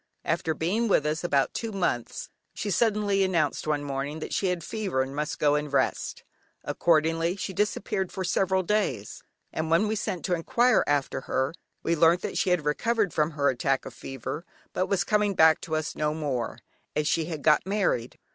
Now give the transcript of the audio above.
After being with us about two months she suddenly announced one morning that she had fever and must go and rest. Accordingly she disappeared for several days, and when we sent to enquire after her we learnt that she had recovered from her attack of fever, but was coming back to us no more, as she had got married.